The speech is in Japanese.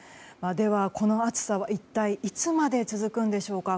この暑さは一体いつまで続くのでしょうか。